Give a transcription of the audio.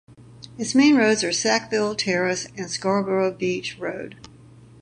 Its main roads are Sackville Terrace and Scarborough Beach Road.